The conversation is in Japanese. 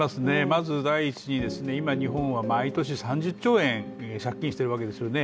まず第１に今、日本は毎年３０兆円、借金しているわけですよね。